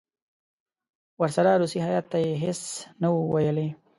ورسره روسي هیات ته یې هېڅ نه وو ویلي.